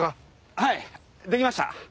はいできました。